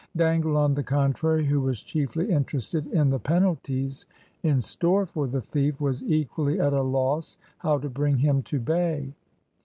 Dangle, on the contrary, who was chiefly interested in the penalties in store for the thief, was equally at a loss how to bring him to bay.